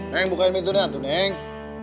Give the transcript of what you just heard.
neng bukain pintunya atuh neng